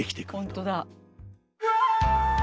本当だ。